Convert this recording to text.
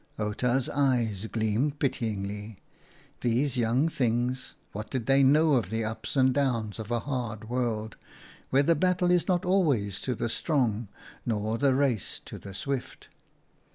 Outa's eyes gleamed pityingly. These young things ! What did they know of the ups and downs of a hard world where the battle is not always to the strong, nor the race to the swift?